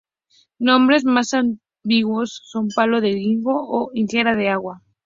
Nombres más ambiguos son palo de higo e higuera de agua.